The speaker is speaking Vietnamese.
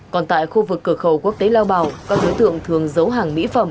còn tại khu vực cửa khẩu quốc tế lao bảo các đối tượng thường giấu hàng mỹ phẩm